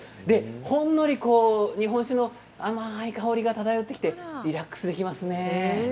ほんのり日本酒の甘い香りが漂ってリラックスできますね。